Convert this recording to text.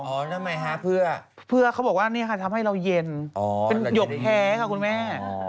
ทำไมฮะเพื่อเขาบอกว่านี่ค่ะทำให้เราเย็นเป็นหยกแพ้ค่ะคุณแม่